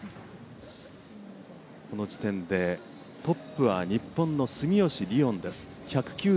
この時点でトップは日本の住吉りをんです。